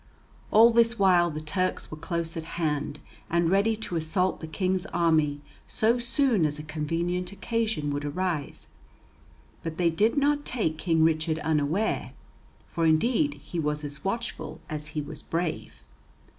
All this while the Turks were close at hand, and ready to assault the King's army so soon as a convenient occasion would arise. But they did not take King Richard unaware, for indeed he was as watchful as he was brave.